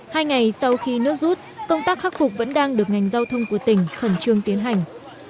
hai ngày sau khi nước rút công tác khắc phục vẫn đang được ngành giao thông của tỉnh khẩn trương tiến hành